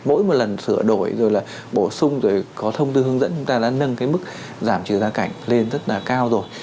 mỗi một lần sửa đổi rồi là bổ sung rồi có thông tư hướng dẫn chúng ta đã nâng cái mức giảm trừ gia cảnh lên rất là cao rồi